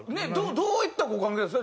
どういったご関係ですか？